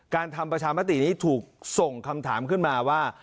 ทำประชามตินี้ถูกส่งคำถามขึ้นมาว่า